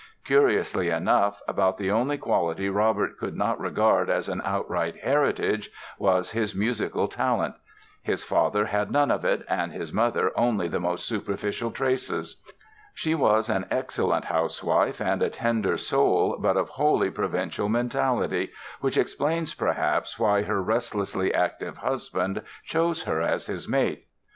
Curiously enough, about the only quality Robert could not regard as an outright heritage was his musical talent. His father had none of it and his mother only the most superficial trace. She was an excellent housewife and a tender soul but of wholly provincial mentality (which explains, perhaps, why her restlessly active husband chose her as his mate).